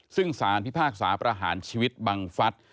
ซึ่งสารพิพากษาประหารชีวิตบังฟัฐ